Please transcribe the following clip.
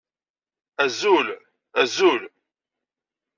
Azul, Azul!